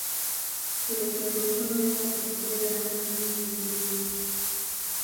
Kyekyo nti okunoonyereza kuno kweyamba ennyinnyonnyolero.